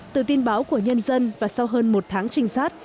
từ tin báo của nhân dân và sau hơn một tháng trinh sát